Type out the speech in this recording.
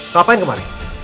kenapa yang kemarin